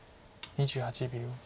２８秒。